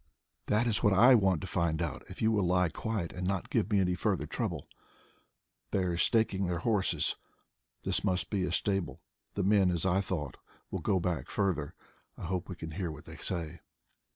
"That is what I want to find out if you will lie quiet and not give me any further trouble. They are staking their horses. This must be the stable. The men, as I thought, will go back further. I hope we can hear what they say."